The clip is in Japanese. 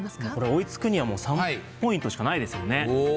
追い付くにはもう３ポイントしかないですよね。